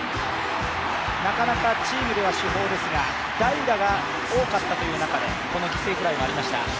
チームでは主砲ですが代打が多かったという中でこの犠牲フライがありました。